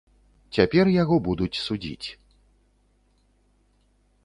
Цяпер яго будуць судзіць.